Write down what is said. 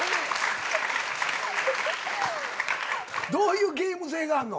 どういうゲーム性があんの？